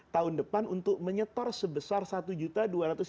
tahun depan untuk menyetor sebesar satu juta dua ratus lima puluh